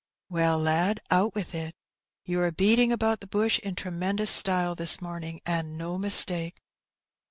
" Well, lad, out with it : you are beating about the bush in tremendous style this morning, and no mistake."